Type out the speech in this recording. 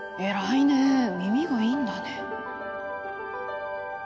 偉いねえ耳がいいんだね